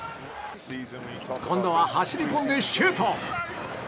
今度は、走りこんでシュート！